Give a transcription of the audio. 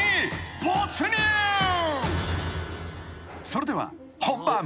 ［それでは］